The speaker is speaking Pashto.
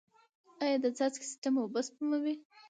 آیا د څاڅکي سیستم اوبه سپموي؟